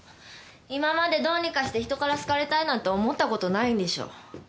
今までどうにかして人から好かれたいなんて思ったことないんでしょう？